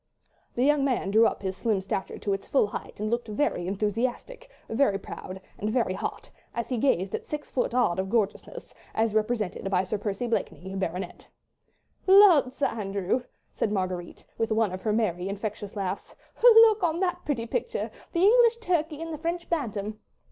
The young man drew up his slim stature to its full height and looked very enthusiastic, very proud, and very hot as he gazed at six foot odd of gorgeousness, as represented by Sir Percy Blakeney, Bart. "Lud, Sir Andrew," said Marguerite, with one of her merry infectious laughs, "look on that pretty picture—the English turkey and the French bantam."